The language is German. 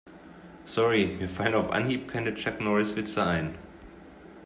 Sorry, mir fallen auf Anhieb keine Chuck-Norris-Witze ein.